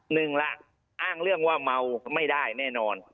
หนึ่งละอ้างเรื่องว่าเมาไม่ได้แน่นอน